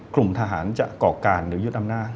กลุ่มทหารจะก่อการหรือยึดอำนาจ